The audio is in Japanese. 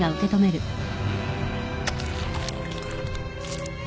あっ